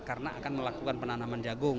karena akan melakukan penanaman jagung